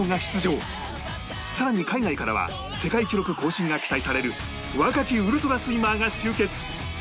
さらに海外からは世界記録更新が期待される若きウルトラスイマーが集結！